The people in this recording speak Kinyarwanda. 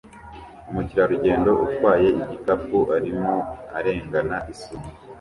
Umukerarugendo utwaye igikapu arimo arengana isumo